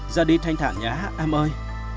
ra đi thanh thản nhé em ơi